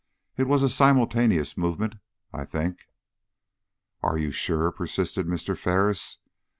"It was a simultaneous movement, I think." "Are you sure?" persisted Mr. Ferris.